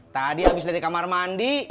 tadi habis dari kamar mandi